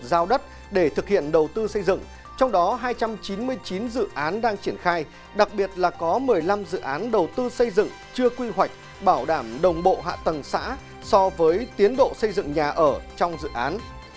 giao đất để thực hiện đầu tư xây dựng trong đó hai trăm chín mươi chín dự án đang triển khai đặc biệt là có một mươi năm dự án đầu tư xây dựng chưa quy hoạch bảo đảm đồng bộ hạ tầng xã so với tiến độ xây dựng nhà ở trong dự án